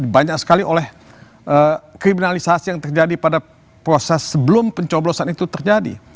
banyak sekali oleh kriminalisasi yang terjadi pada proses sebelum pencoblosan itu terjadi